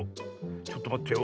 ちょっとまってよ。